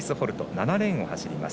７レーンを走ります